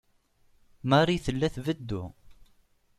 Marie tella tbeddu.